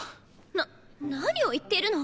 な何を言っているの。